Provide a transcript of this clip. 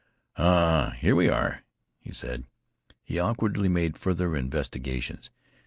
"Ah, here we are!" he said. He awkwardly made further investigations.